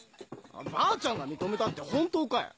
ばあちゃんが認めたって本当かよ？